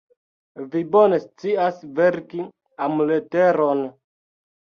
Vi bone scias verki amleteron.